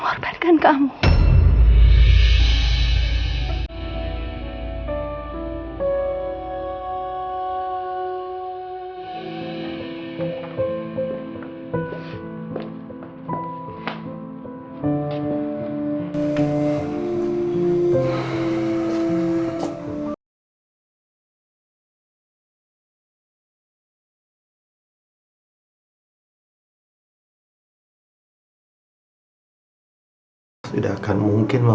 bapak akan selalu melindungi kamu